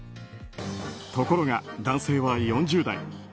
ところが、男性は４０代。